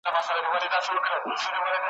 چي په سترګوباندي پوري دي کجل کئ